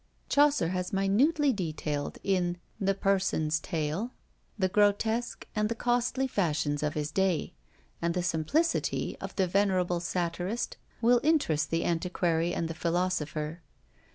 Chaucer has minutely detailed in "The Persone's Tale" the grotesque and the costly fashions of his day; and the simplicity of the venerable satirist will interest the antiquary and the philosopher.